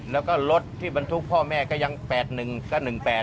แล้วก็รถที่บรรทุกพ่อแม่ก็ยัง๘๑ก็๑๘